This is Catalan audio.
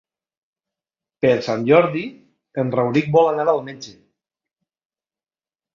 Per Sant Jordi en Rauric vol anar al metge.